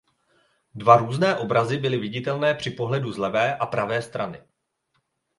Dva různé obrazy byly viditelné při pohledu z levé a pravé strany.